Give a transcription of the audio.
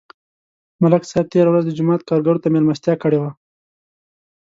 ملک صاحب تېره ورځ د جومات کارګرو ته مېلمستیا کړې وه